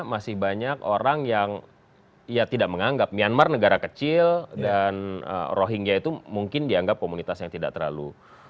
masih banyak orang yang ya tidak menganggap myanmar negara kecil dan rohingya itu mungkin dianggap komunitas yang tidak terlalu